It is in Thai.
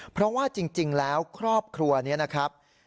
เพราะว่าจริงแล้วครอบครัวนี้นะครับ